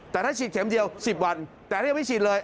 แต่ถ้าฉีดเข็มเดียว๑๐วันแต่ถ้ายังไม่ฉีดเลย